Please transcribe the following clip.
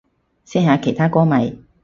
識下其他歌迷